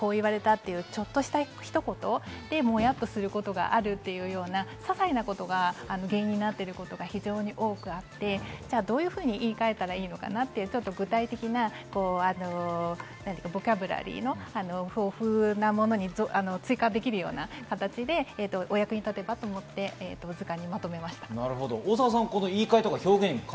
その中でも、ああ言われたとか、こう言われたという、ちょっとしたひと言でモヤっとすることがあるというような、ささいなことが原因になっていることが非常に多くあって、じゃあどういうふうに言いかえたらいいのかなという具体的なボキャブラリーの豊富なものに追加できるような形でお役に立てばと思って図鑑にまとめました。